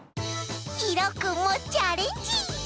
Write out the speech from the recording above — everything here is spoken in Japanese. ひろくんもチャレンジ！